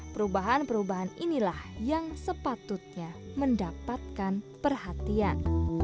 perubahan perubahan inilah yang sepatutnya mendapatkan perhatian